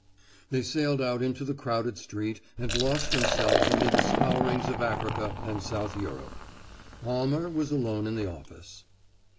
They sailed out into the crowded street and lost themselves amid the scourings of Africa and south Europe. Almer was alone in the office.